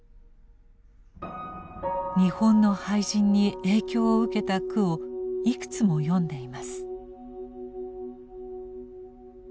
日本の俳人に影響を受けた句をいくつも詠んでいます。